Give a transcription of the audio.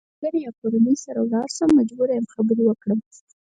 که له ملګري یا کورنۍ سره لاړ شم مجبور یم خبرې وکړم.